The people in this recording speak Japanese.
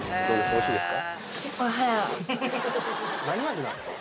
おいしいですか？